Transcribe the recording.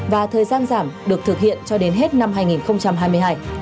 và thời gian giảm được thực hiện cho đến hết năm hai nghìn hai mươi hai